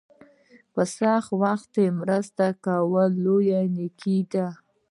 په سخت وخت کې مرسته کول لویه نیکي ده.